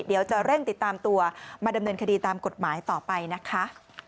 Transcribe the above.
เดี๋ยวจะเร่งติดตามตัวมาดำเนินคดีตามกฎหมายต่อไปนะคะ